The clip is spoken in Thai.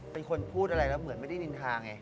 เป็นคนพูดอะไรแล้วเหมือนไม่ได้นินทาไง